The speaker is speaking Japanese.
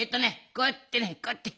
こうやってねこうやって。